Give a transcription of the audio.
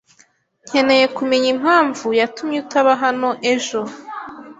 Nkeneye kumenya impamvu yatumye utaba hano ejo.